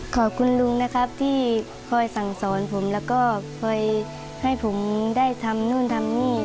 ขอบคุณลุงนะครับที่คอยสั่งสอนผมแล้วก็คอยให้ผมได้ทำนู่นทำนี่